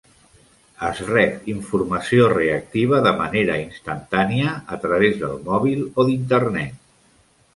Es rep informació reactiva de manera instantània a través del mòbil o d"Internet.